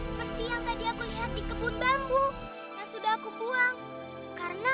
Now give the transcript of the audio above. sampai jumpa di video selanjutnya